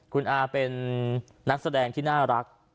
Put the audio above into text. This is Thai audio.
คุณอาเป็นนักแสดงที่น่ารัก